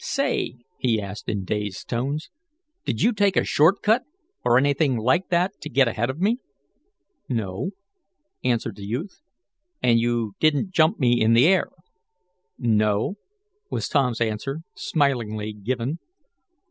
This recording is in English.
"Say," he asked, in dazed tones, "did you take a short cut, or anything like that to get ahead of me?" "No," answered the youth. "And you didn't jump me in the air?" "No," was Tom's answer, smilingly given.